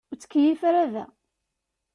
Ur ttkeyyif ara da.